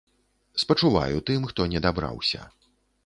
Спачуваю тым, хто не дабраўся.